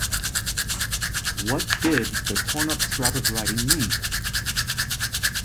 What did the torn-up scrap of writing mean?